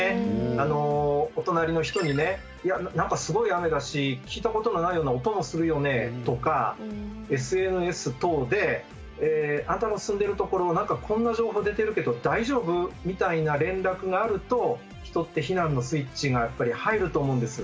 お隣の人にね「何かすごい雨だし聞いたことのないような音もするよね」とかＳＮＳ等で「あなたの住んでるところこんな情報出てるけど大丈夫？」みたいな連絡があると人って避難のスイッチがやっぱり入ると思うんです。